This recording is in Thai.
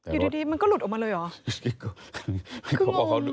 อยู่ดีมันก็หลุดออกมาเลยเหรอ